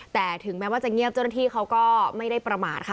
แต่ถึงแม้ว่าจะเงียบเจ้าหน้าที่เขาก็ไม่ได้ประมาทค่ะ